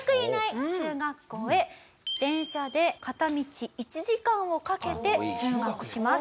電車で片道１時間をかけて通学します。